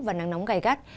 và nắng nóng gầy gắt